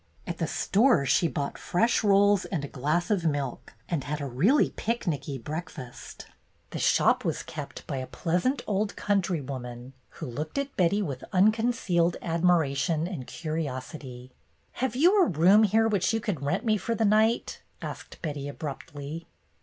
At the store she bought fresh rolls and a glass of milk and had a really "picknicky" breakfast. The shop was kept by a pleasant old country woman, who looked at Betty with unconcealed admiration and curiosity. "Have you a room here which you could rent me for the night ?" asked Betty, abruptly.